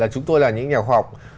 chúng tôi là những nhà khoa học